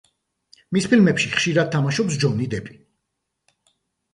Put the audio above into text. მის ფილმებში ხშირად თამაშობს ჯონი დეპი.